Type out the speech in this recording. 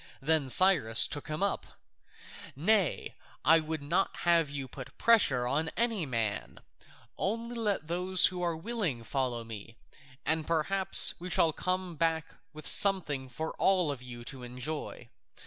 Then Cyrus took him up: "Nay, I would not have you put pressure on any man; only let those who are willing follow me, and perhaps we shall come back with something for all of you to enjoy.